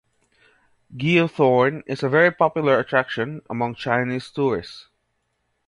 Giethoorn is a very popular attraction among Chinese tourists.